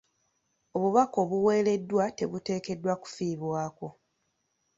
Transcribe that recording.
Obubaka obuweereddwa tebuteekeddwa kufiibwako.